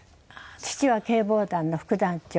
父は警防団の副団長。